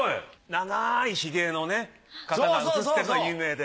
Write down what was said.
長いひげの方が写ってるのが有名で。